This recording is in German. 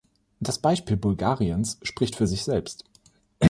Das Beispiel Bulgariens spricht für sich selbst.